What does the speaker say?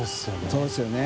そうですよね。